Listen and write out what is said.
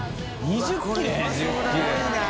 ２０切れね。